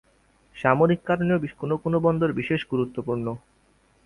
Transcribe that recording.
সামরিক কারণেও কোনো কোনো বন্দর বিশেষ গুরুত্বপূর্ণ।